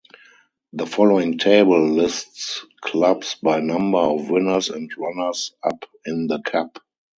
The following table lists clubs by number of winners and runners-up in the Cup.